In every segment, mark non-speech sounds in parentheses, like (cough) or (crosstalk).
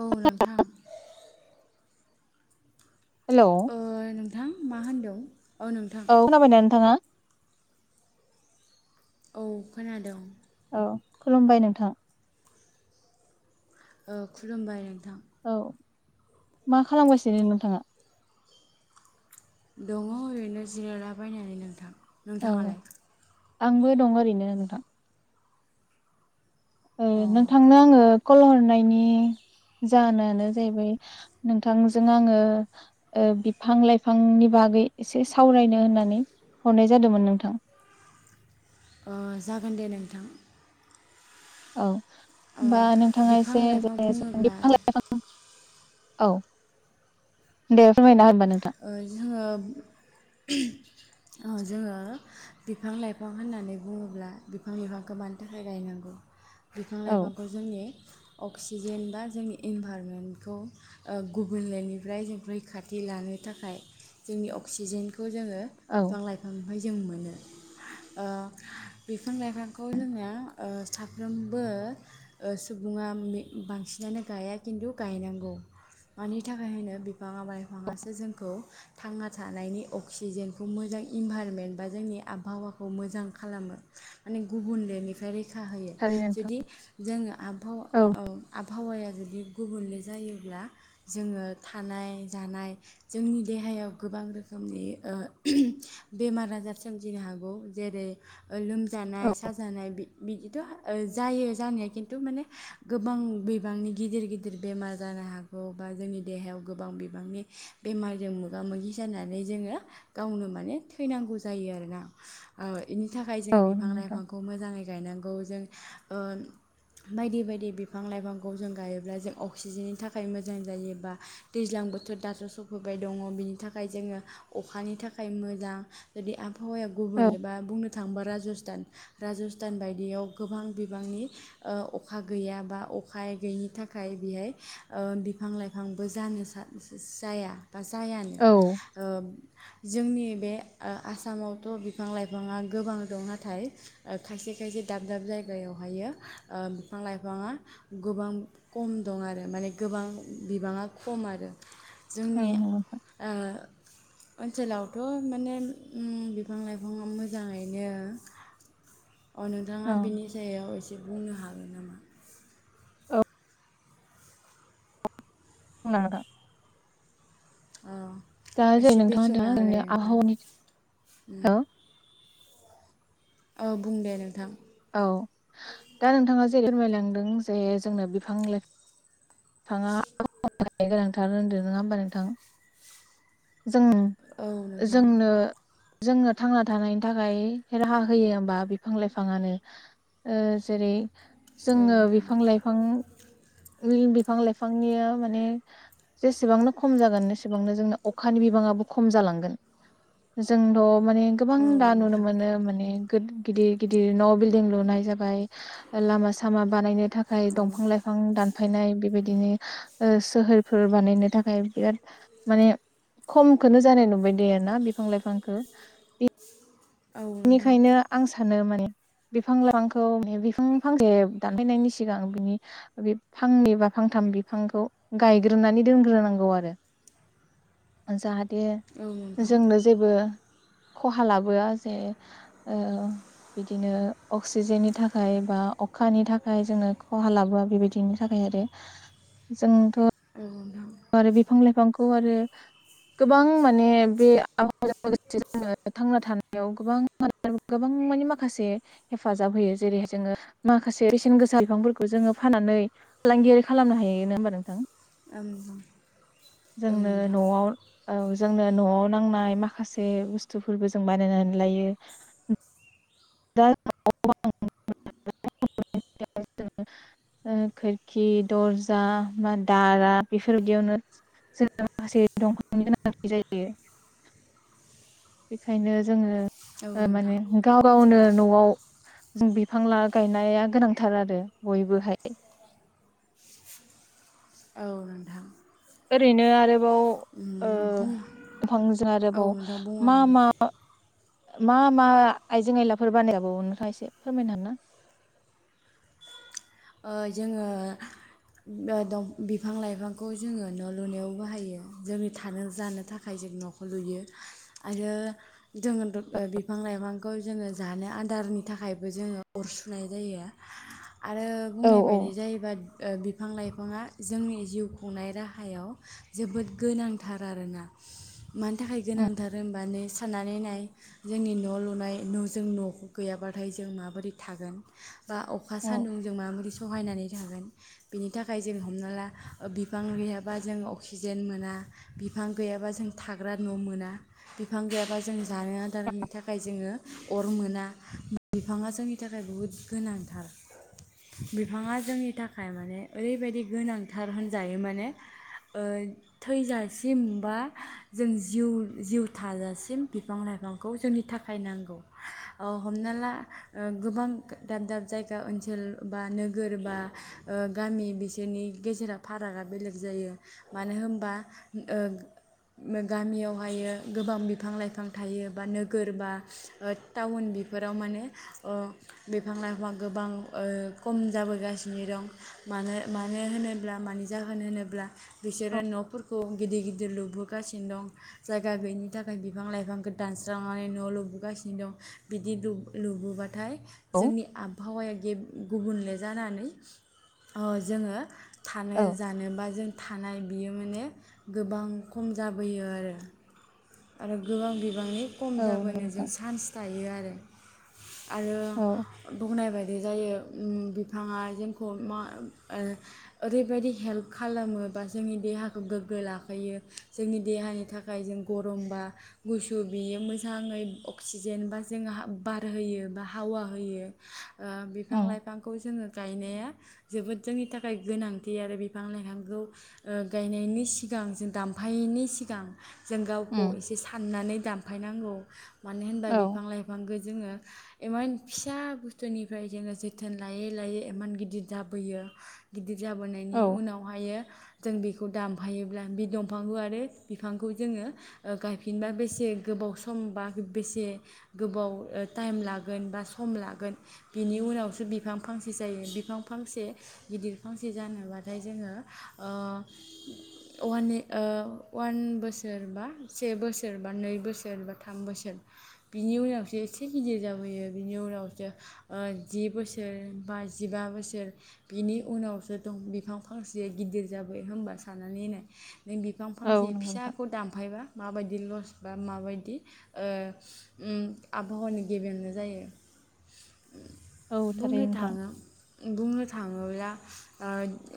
औ नोंथां हेलौ! ओ नोंथां मा होनदों? औ नोंथां औ खोनाबायनाय नोंथाङा? औ खोनादों। औ खुलुमबाय नोंथां! औ खुलुमबाय नोंथां औ मा खालामगासिनो नोंथाङा? दङ ओरैनो जिरायलाबायनानै नोंथां औ नोंथाङालाय आंबो दं ओरैनो नोंथां औ अ नोंथांनो आङो। कल हरनायनि जाहोनानो जाहैबाय नोंथांजों आङो। ओ बिफां लाइफांनि बागै एसे सावरायनो होननानै हरनाय जादोंमोन नोंथां। ओ जागोन दे नोंथां। औ ओ होमबा नोंथाङा बिफां एसे लाइफां बुङोब्ला बिफां लाइफां। औ दे रोङाबा होनबा नोंथां औ जोङो ओ जोंङो बिफां लाइफां होननानै बुङोब्ला बिफां लाइफांखौ मानि थाखाय गायनांगौ। बिफां औ लाइफांखौ जोंनि अक्सिजेन बा जोंनि इनभारमेन्टखौ। ओ गुबुंलेनिफ्राय रैखाथि लानो। थाखाय जोंनि अक्सिजेनखौ जोङो औ बिफां लाइफां निफ्राय जोङो मोनो, ओ बिफां लाइफांखौ जोङो ओ साफ्रोमबो। ओ सुबुङा मि बांसिनानो गाया खिन्थु गायनांगौ मानि थाखाय होनो बिफाङा बायफाङासो जोंखौ थांना थानायनि अक्सिजेनखौ मोजां इनभाइरमेन्ट बा जोंनि आबहावाखौ मोजां खालामो। माने गुबुनलेनिफ्राय रैखा होयो थारैनो नोंथां जुदि जोङो आबहाव औ आव आबहावाया जुदि गुबुनले जायोब्ला जोङो थानाय जानाय जोंनि देहायाव गोबां रोखोमनि ओ बेमार आजार सोमजिनो हागौ जेरै ओ औ लोमजानाय साजानाय बि बिदिथ' जायो जानाया खिन्थु माने गोबां बिबांनि गिदिर गिदिर बेमार जानो हागौ बा जोंनि देहायाव गोबां बिबांनि बेमारजों मोगा मोगि जानानै जोङो गावनो माने थैनांगौ जायो आरोना। औ इनि थाखाय औ जोङो नंगौ बिफां नोंथां लाइफांखौ मोजाङै गायनांगौ जों बायदि बायदि बिफां लाइफांखौ जों गायोब्ला जों अक्सिजेननि थाखाय मोजां जायोबा दैज्लां बोथोर दाथ' सौफैबाय दङ बिनि थाखाय जोङो अखानिथाखाय मोजां बिदि आबहावाया औ गुबुनले बा थाङोबा राजस्थान राजस्थान बायदियाव गोबां बिबांनि ओ अखा गैया बा अखा गैयिनि थाखाय बेहाय ओ बिफां लाइफांबो जानो सनस जाया बा जायानो औ ओ जोंनि बे ओ आसामावथ' बिफां लाइफाङा गोबां दं नाथाय ओ खायसे खायसे दाब दाब जायगायावहायो ओ बिफां लाइफाङा गोबां खम दं आरो माने गोबां बिबाङा खम आरो जोंनि नंगौ नोंथां ओ ओनसोलावथ' माने उम बिफां लाइफाङा मोजाङैनो अ नोंथाङा बिनि औ सायाव एसे बुंनो हागोन नामा? औ (unintelligible) औ दा जेरै एसे नोंथाङा दा बेखेवना जोंनो होलाय नोंथां आबहावानि उम हो औ बुं दे नोंथां औ दा नोंथाङा जेरै फोरमायलांदों जे जोंनो बिफां लाइफां (unintelligible) जों औ नोंथां जोंनो जोंनो थांना थानायनि थाखाय राहा होयो होमबा बिफां लाइफाङानो ओ जेरै औ जोङो नोंथां बिफां लाइफां फां बिफां लाइफांनिया माने जेसेबांनो खम जागोन एसेबांनो जोंनो अखानि बिबाङाबो खम जालांगोन जोंथ' माने गोबां औ दा नुनो नोंथां मोनो माने गिदिर गिदिर न' बिल दिं लुनाय जाबाय लामा सामा बानायनो थाखाय औ दंफां लाइफां दानफायनाय बेबायदिनो ओ सोहोरफोर बानायनो थाखाय बिराद माने खमखोनो जानाय नुबाय दे ना बिफां लाइफांखौ औ नोंथां बेनिखायनो आं सानो माने बिफां लाइफांखौ बिफां फांसे दानफैनायनि सिगां बिनि बे फांनै बा फांथाम बिफांखौ गायग्रोनानै दोनग्रोनांगौ आरो औ जाहाथे नोंथां जोंनो जेबो खहा लाबोआ जे ओ बिदिनो अक्सिजेननि थाखाय बा अखानि थाखाय जोङो खहा लाबोआ बेबायदिनो थाखाय आरो जोंथ' औ नोंथां! आरो बिफां लाइफांखौ आरो (unintelligible) गोबां मानि माखासे हेफाजाब होयो जेरैहाय जोङो माखासे बेसेन गोसा बिफांफोरखौ जोङो फाननानै फालांगियारि खालामनो हायो नङा होमबा नोंथां? ओम जोंनो न'आव औ जोंनो न'आव नांनाय माखासे बुस्थुफोरबो जों बानायनानै लायो। (unintelligible) (inaudible) (unintelligible) ओ खोरखि दरजा (unintelligible) बेफोर बायदियावनो (unintelligible) बेखायनो जोंङो ओ माने गाव गावनो न'आव जों बिफां लागायनाया गोनांथार आरो बयबोहाय औ नोंथां ओरैनो आरोबाव औ ओ नोंथां बुं औ दंफांजों आरोबाव नोंथां मा बुंलांदो मा मा मा आइजें आयलाफोर बानायजाबावो नोंथाङा एसे फोरमायनो हागोनना? ओ जोङो ओ दं बिफां लाइफांखौ जोङो न' लुनायावबो बाहायो जोंनि थानो जानो थाखाय जों न' खौ लुयो आरो जोङो द ओ बिफां लाइफांखौ जोङो जानो आदारनि थाखायबो जोङो अर सुनाय जायो। आरो औ बुंनाय औ बायदि जायोबा ओ बिफां लाइफाङा जोंनि जिउ खुंनाय राहायाव जोबोद गोनांथार आरोना? मानि थाखाय गोनांथार होनोमबानो साननानै नाय जोंनि न' लुनाय न' गैयाब्लाथाय जों माबोरै थागोन? बा अखा सान्दुं जों माबाबोरै सहायनानै थागोन। बिनि थाखाय जों हमनाला ओ बिफां गैयाबा अक्सिजेन मोना। बिफां गैयाबा जों थाग्रा न' मोना बिफां गैयाब्ला जों जों जानो आदारनि थाखाय जोङो अर मोना बिफाङा जोंनि थाखाय बुहुद गोनांथार। बिफाङा जोंनि थाखाय माने ओरैबायदि गोनांथार होनजायो माने ओ थैजासिम बा जों जिउ थाजासिम बिफां लाइफांखौ जोंनि थाखाय नांगौ। अ ओ हमना ला गोबां दाब दाब जायगा ओनसोल बा नोगोर बा ओ गामि बिसोरनि गेजेराव फारागा बेलेग जायो। मानो होनोमबा ओ ओम गामियावहाय गोबां बिफां लाइफां थायो बा नोगोर बा ओ टाउन बेफोराव माने ओ बिफां लाइफां ओ गोबां खम जाबोगासिनो दं मानो मानो होनोब्ला मानि जाहोन होनोब्ला बिसोरो न'फोरखौ गिदिर गिदिर लुबोगासिनो दं। जायगा गैयिनि थाखाय बिफां लाइफांखौ दानस्रांनानै न' लुबोगासिनो दं। बिदि लु-लुबोबाथाय जोंनि आबहावाया गे-गुबुनले जानानै जोङो थानो औ जानोबा जों थानाय बियो माने गोबां खम जाबोयो आरो। आरो गोबां बिबांनि खम औ नंगौ जाबोनो जों नोंथां सान्स थायो आरो। आरो औ बुंनाय बायदि जायो ओम बिफाङा जोंखौ मा ओरैबायदि हेल्प खालामो बा जोंनि देहाखौ गोग्गो लाखियो जोंनि देहानि था जाय जों गरमबा गुसु बियो मोजाङै अक्सिजेन बा जोंङोहा बार होयो बा हावा होयो। ओ बिफां उम लाइफांखौ जोंङो गायनाया जोबोद जोंनि थाखाय गोनांथि आरो बिफां लाइफांखौ ओ गायनायनि सिगां जों दामफायैनि सिगां जों गावखौ उम एसे साननानै दानफायनांगौ मानो होनबा औ बिफां लाइफां बिफांखो जोंङो इमान फिसा बुस्थुनिफ्राय जोंङो ज जोथोन लायै लायै इमान गिदिर जाबोयो गिदिर जाबोनायनि औ उनावहायो जों बेखौ दानफायोब्ला बे दंफांखौ आरो बिफांखौ जोंङो ओ गायफिनबा बेसे गोबाव सम बा बेसे गोबाव टाइम लागोन बा सम लागोन बिनि उनावसो बिफां फांसे जायो बिफां फांसे गिदिर फांसे जानोब्लाथाय जोंङो ओ वान ओ वान बोसोर बा से बोसोर बा नै बोसोर बा थाम बोसोर बिनि उनावसो एसे गिदिर जाबोयो बिनि उनावसो ओ जि बोसोर बोसोर बा जिबा बोसोर बिनि उनावसो दं बिफां फांसेया गिदिर जाबाय होनबा साननानै होननाय नों बिफां औ फांसे नंगौ नोंथां फिसाखौ दानफायबा माबायदि लस बा माबायदि ओ ओम आबहावानि गेबेेंबो जायो। औ बुंनो थारैनो नोंथां थाङो बुंनो थाङोब्ला ओ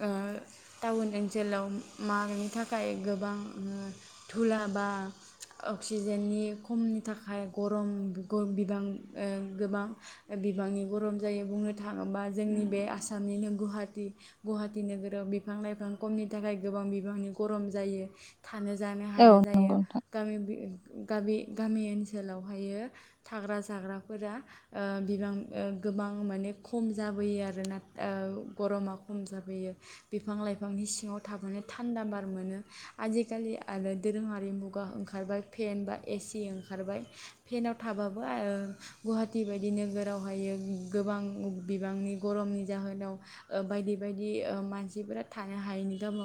ओ टाउन ओनसोलाव मानि थाखाय गोबां धुला बा अक्सिजेननि खमनि थाखाय गरम गरम बिबां ओ गोबां बिबांनि गरम जायो बुंनो थाङोबा जोंनि बे आसामनिनो गुवाहाटि गुवाहाटि नोगोराव बिफां लाइफां खमनि थाखाय गोबां बिबांनि गरम जायो। थानो जानो औ हाया नंगौ जायो नोंथां। गामि बि गाबि गामि ओनसोलावहायो थाग्रा जाग्राफोरा ओ बिबां ओ गोबां माने खम जाबोयो आरोना ओ गरमा खम जाबोयो बिफां लाइफांनि सिङाव थाबानो थान्दा बार मोनो। आजिकालि आरो दोरोङारि मुगा ओंखारबाय फेन बा एसि ओंखारबाय। फेनाव थाबाबो आ ओ गुवाहाटि बायदि नोगोरावहायो गोबां बिबांनि गरमनि जाहोनाव ओ बायदि बायदि ओ मानसिफोरा थानो हायैनि दङ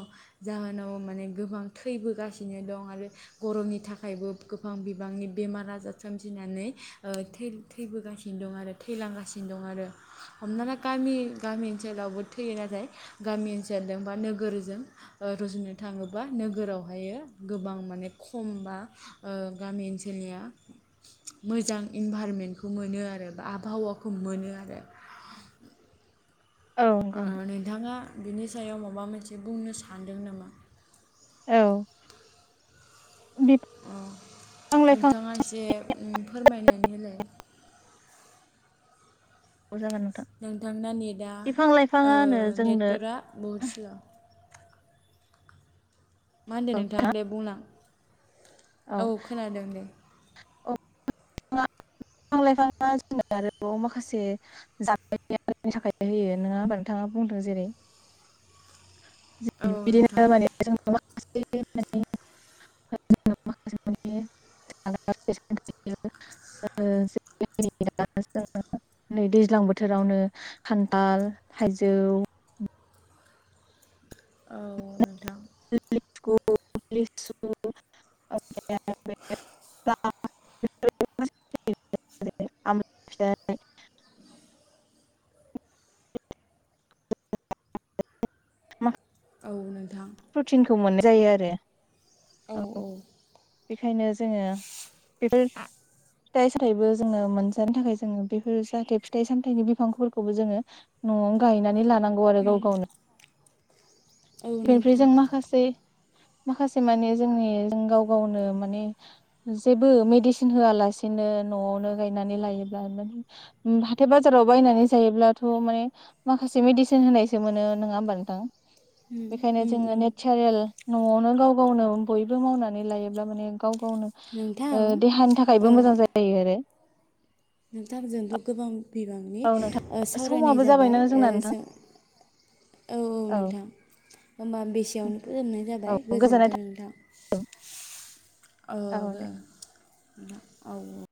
जाहोनाव माने गोबां थैबोगासिनो दं आरो गरमनि थाखायबो गोबां बिबांनि बेमार आजार सोमजिनानै ओ थै थैबोगासिनो दं आरो थैलां गासिनो दं आरो हमनाला गामि गामि ओनसोलावबो थैयो नाथाय गामि ओनसोलजों बा नोगोरजों ओ रुजुनो थाङोबा नोगोरावहायो गोबां माने खम बा ओ गामि ओनसोलनिया मोजां इनभाइरनमेन्टखौ मोनो आरो बा आबहावाखौ खौ मोनो आरो औ नंगौ आ नोंथाङा बिनि सायाव माबा मोनसे बुंनो सानदों नामा? औ बिफां अ लाइफां नोंथाङा एसे फोरमायनानै होलाय। जागोन नोंथां नोंथांना नेटआ बिफां ओ लाइफाङानो जोंनो नेटवर्कआ बहुद स्ल' मा होनदो औ नोंथाङा दे बुंलां औ खोनादों दे। अ (inaudible) बिफां लाइफाङा जोंनो आरोबाव माखासे जानो थाखाय होयो नोङा होमबा नोंथाङा बुंदों जेरै (inaudible) बिदिनो नोंथां माने जों माखासे (unintelligible) माखासे माने जाग्रा बेसादनिनो ओ (unintelligible) नै दैज्लां बोथोरावनो खान्थाल थाइजौ औ नोंथां। लेथुखु लेसु अके (unintelligible) बिथाइ (unintelligible) (unintelligible) औ नोंथां। प्रुटिनखौ मोननाय जायो आरो औ। बेखायनो जोङो बेफोर फिथाइ सामथाइबो जोङो मोनजानो थाखाय जोङो बेफोर जाहाथे फिथाइ सामथाइनि बिफांफोरखौबो जोङो न'आव गायनानै लानांगौ आरो गाव गावनो। औ बेनिफ्राय नोंथां जों माखासे माखासे माने जोंनि जों गाव गावनो माने जेबो मेडिसिन होयालासेनो न'आवनो गायनानै लायोब्ला नों उम हाथाइ बाजाराव बायनानै जायोब्लाथ' माने माखासे मेडिसिन होनायसो मोनो नोङा होमबा नोंथां? बेखायनो उम, जोङो उम। नेटचारेल न'आवनो गाव गावनो बयबो मावनानै लायोब्ला माने गाव गावनो नोंथां ओ देहानि ओ, थाखायबो जायो आरो। नोंथां जोंथ' गोबां बिबांनि औ ओ नोंथां सावरायनाय समाबो जाबाय जाबायना ओ जोंना नोंथां जों औ औ नोंथां। होमबा बेसेयावनो फोजोबनाय औ जाबाय गोजोननाय गोजोन्थों नोंथां। थाबाय ओ दे नोंथां औ औ।